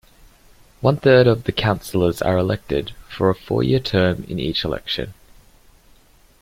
One third of the councillors are elected, for a four-year term, in each election.